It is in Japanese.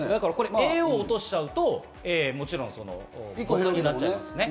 叡王を落としちゃうと、もちろん八冠じゃなくなっちゃいますね。